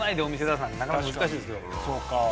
そうか。